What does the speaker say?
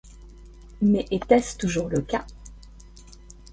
Mais était-ce toujours le cas ?